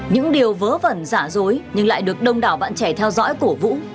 những điều vớ vẩn giả dối nhưng lại được đông đảo bạn trẻ theo dõi cổ vũ